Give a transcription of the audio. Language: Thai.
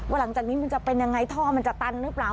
หลังจากนี้มันจะเป็นยังไงท่อมันจะตันหรือเปล่า